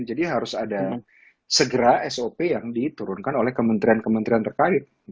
jadi harus ada segera sop yang diturunkan oleh kementerian kementerian terkait